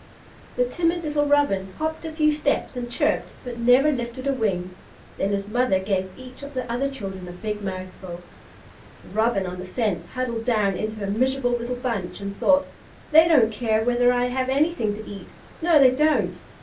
The timid little Robin hopped a few steps and chirped but never lifted a wing. Then his mother gave each of the other children a big mouthful. The Robin on the fence huddled down into a miserable little bunch, and thought: "They don't care whether I ever have anything to eat. No, they don't!"